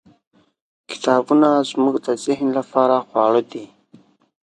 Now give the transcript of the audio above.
. کتابونه زموږ د ذهن لپاره خواړه دي.